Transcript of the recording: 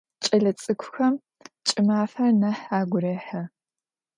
Кӏэлэцӏыкӏухэм кӏымафэр нахь агу рехьы.